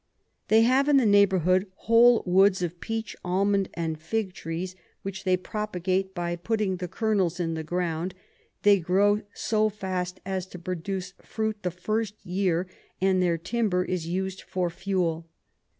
They have in the Neighbourhood whole Woods of Peach, Almond, and Fig Trees, which they propagate by putting the Kernels in the Ground: they grow so fast as to produce Fruit the first Year, and their Timber is us'd for Fewel.